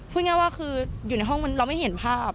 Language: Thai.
พูดง่ายว่าคืออยู่ในห้องเราไม่เห็นภาพ